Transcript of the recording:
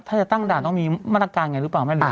ถ้าจะตั้งด่านต้องมีมาตรการไงหรือเปล่าไม่รู้